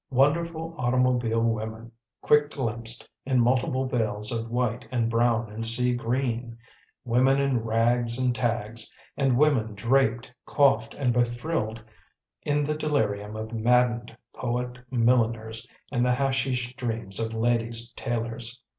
Wonderful automobile women quick glimpsed, in multiple veils of white and brown and sea green. Women in rags and tags, and women draped, coifed, and befrilled in the delirium of maddened poet milliners and the hasheesh dreams of ladies' tailors.